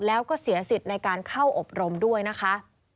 แล้วก็เสียสิทธิ์ในการเข้าอบรมด้วยนะคะ